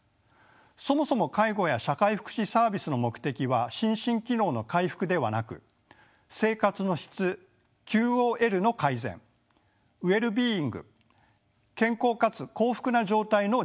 そもそも介護や社会福祉サービスの目的は心身機能の回復ではなく生活の質ＱＯＬの改善ｗｅｌｌ−ｂｅｉｎｇ健康かつ幸福な状態の実現にあります。